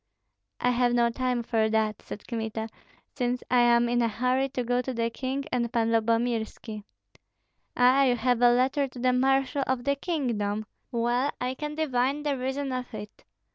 "I have no time for that," said Kmita, "since I am in a hurry to go to the king and Pan Lyubomirski." "Ah, you have a letter to the marshal of the kingdom? Well, I can divine the reason of it.